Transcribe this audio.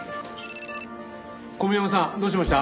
小宮山さんどうしました？